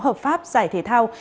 hợp pháp giải thể thao